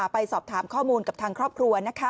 ไปสอบถามข้อมูลกับทางครอบครัว